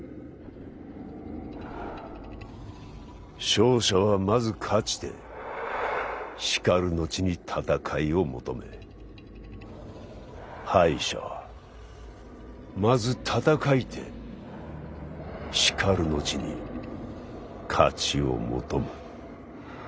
勝者はまず勝ちてしかる後に戦いを求め敗者はまず戦いてしかる後に勝ちを求む。